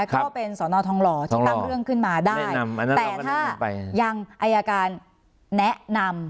ก็เป็นสอนอทองหล่อที่ตั้งเรื่องขึ้นมาได้แต่ถ้ายังอายการแนะนำ